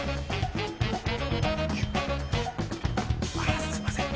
あっすいません。